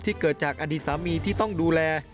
เกิดจากอดีตสามีที่ต้องดูแล